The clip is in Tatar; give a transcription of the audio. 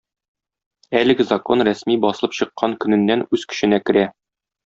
Әлеге Закон рәсми басылып чыккан көненнән үз көченә керә.